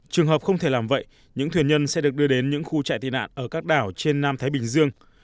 trường hợp không thể làm vậy những thuyền nhân sẽ được đưa đến những khu chạy tị nạn ở các đảo trên nam thái bình dương